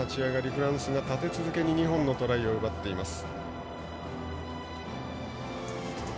フランスが立て続けに２本のトライを奪っています。